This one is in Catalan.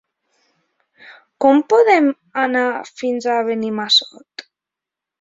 Com podem anar fins a Benimassot?